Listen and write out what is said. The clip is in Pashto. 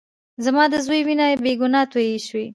زما د زوى وينه بې ګناه تويې شوې.